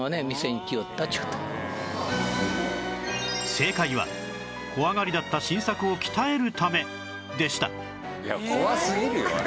正解は怖がりだった晋作を鍛えるためでした